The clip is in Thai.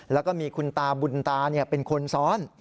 แล้วก็มีคุณตาบุญตาเป็นคนซ้อน